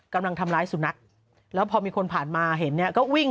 กำลังทำร้ายสุนัขแล้วพอมีคนผ่านมาเห็นเนี่ยก็วิ่ง